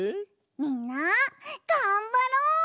みんながんばろう！